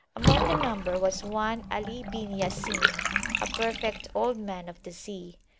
Among the number was one Ali bin Ya Sin, a perfect old man of the sea.